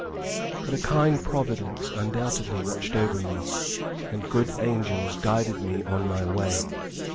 But a kind providence, undoubtedly, watched over me, and good angels guided me on my way.